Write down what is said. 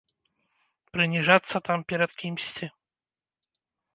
Прыніжацца там перад кімсьці.